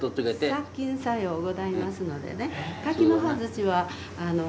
殺菌作用ございますのでね。